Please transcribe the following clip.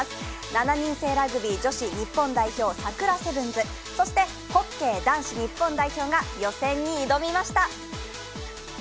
７人制ラグビー、日本女子代表、サクラセブンズ、そしてホッケー男子日本代表が予選に挑みました。